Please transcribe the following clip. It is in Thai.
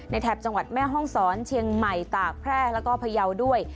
แถบจังหวัดแม่ห้องศรเชียงใหม่ตากแพร่แล้วก็พยาวด้วย